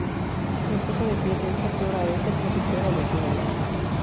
La esposa de Piet Esser, Dora Esser, fue pintora de acuarelas.